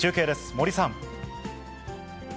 森さん。